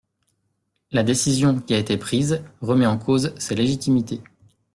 La décision qui a été prise remet en cause sa légitimité.